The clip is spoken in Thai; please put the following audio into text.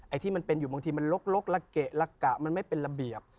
ที่มันเป็นอยู่บางทีมันลกละเกะละกะมันไม่เป็นระเบียบ